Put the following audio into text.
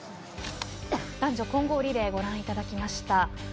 男女混合リレーをご覧いただきました。